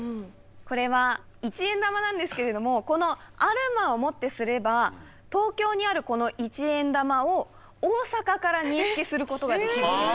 これは一円玉なんですけれどもこのアルマをもってすれば東京にあるこの一円玉を大阪から認識することができるんです。